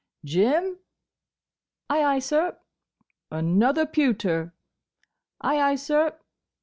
—Jim!" "Ay, ay, sir!" "Another pewter." "Ay, ay, sir."